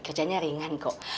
kerjanya ringan kok